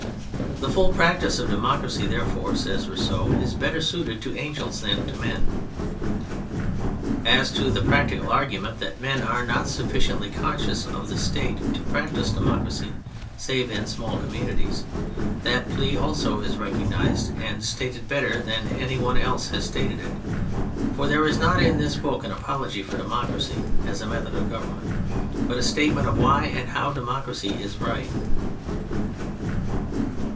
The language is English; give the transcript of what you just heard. The full practice of democracy, therefore, says Rousseau, is better suited to angels than to men. As to the practical argument that men are not sufficiently conscious of the State to practise democracy, save in small communities, that plea also is recognised and stated better than any one else has stated it. For there is not in this book an apology for democracy as a method of government, but a statement ol why and how democracy is right.